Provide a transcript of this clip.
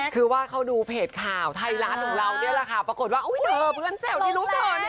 คือว่าเขาดูเพจข่าวไทยรัฐของเรานี่แหละค่ะปรากฏว่าอุ้ยเธอเพื่อนแซวนี่ลูกเธอเนี่ย